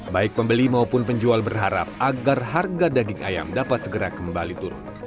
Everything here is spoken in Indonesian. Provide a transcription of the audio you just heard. baik pembeli maupun penjual berharap agar harga daging ayam dapat segera kembali turun